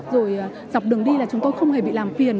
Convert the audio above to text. rồi dọc đường đi là chúng tôi không hề bị làm phiền